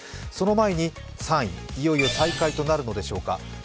その前に３位、いよいよ再開となるのでしょうか。